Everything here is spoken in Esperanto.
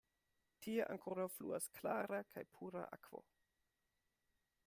Tie ankoraŭ fluas klara kaj pura akvo.